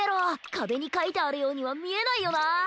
かべにかいてあるようにはみえないよな！